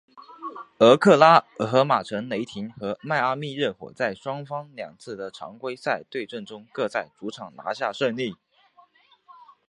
俄克拉何马城雷霆和迈阿密热火在双方的两次的常规赛对阵中各在主场拿下胜利。